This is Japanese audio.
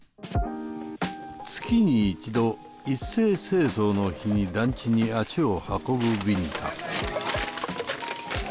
月に一度一斉清掃の日に団地に足を運ぶビニさん。